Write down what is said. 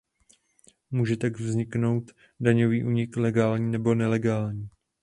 Může tak vzniknout daňový únik legální nebo nelegální.